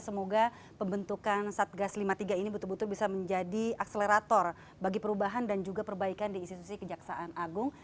semoga pembentukan satgas lima puluh tiga ini betul betul bisa menjadi akselerator bagi perubahan dan juga perbaikan di institusi kejaksaan agung